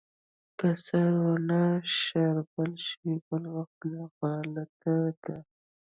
که سره ونه شاربل شي بل وخت مغالطه ده.